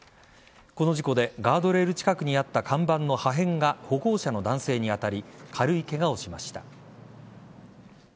この事故でガードレール近くにあった看板の破片が歩行者の男性に当たり軽いケガをしました。